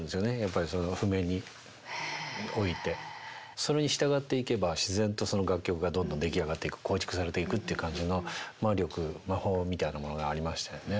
それに従っていけば自然とその楽曲がどんどん出来上がっていく構築されていくって感じの魔力魔法みたいなものがありましたよね。